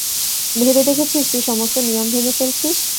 ভেবে দেখেছিস তুই সমস্ত নিয়ম ভেঙে ফেলছিস?